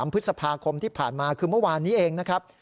พฤษภาคมที่ผ่านมาคือเมื่อวานนี้เองนะครับ